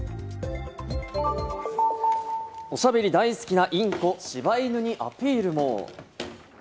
おしゃべり大好きなインコ、しば犬にアピールも。